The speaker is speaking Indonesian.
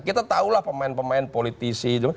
kita tahulah pemain pemain politisi